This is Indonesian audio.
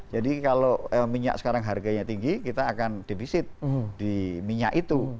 jadi kalau minyak sekarang harganya tinggi kita akan defisit di minyak itu